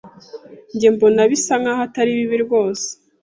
Njye mbona bisa naho atari bibi rwose.